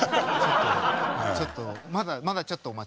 ちょっとまだまだちょっとお待ちください。